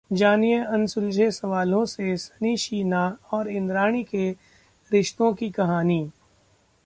जानिए, अनसुलझे सवालों से सनी शीना और इंद्राणी के रिश्तों की कहानी